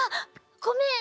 ごめん！